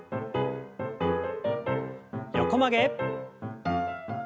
横曲げ。